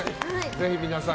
ぜひ皆さん